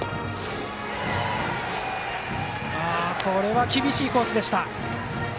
これは厳しいコースでした。